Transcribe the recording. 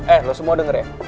eh lo semua denger ya